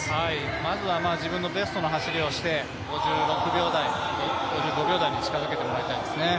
まずは自分のベストの走りをして５６秒台、５５秒台に近づけてもらいたいですね。